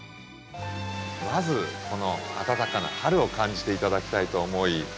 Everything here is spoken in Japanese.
まずこの暖かな春を感じて頂きたいと思い。